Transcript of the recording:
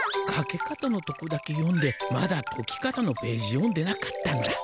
かけ方のとこだけ読んでまだとき方のページ読んでなかったんだ。